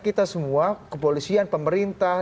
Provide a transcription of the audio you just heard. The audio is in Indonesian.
kita semua kepolisian pemerintah